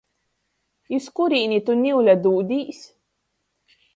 Iz kurīni tu niule dūdīs?